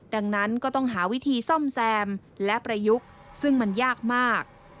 ดังนั้นก็ต้องหาวิธีซ่อมแซมและประยุกต์ซึ่งมันยากมาก